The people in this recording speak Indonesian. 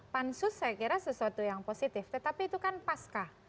pansus saya kira sesuatu yang positif tetapi itu kan pasca